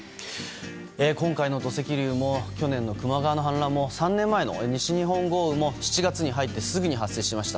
今回の土石流も去年の球磨川の氾濫も３年前の西日本豪雨も７月に入ってすぐに発生しました。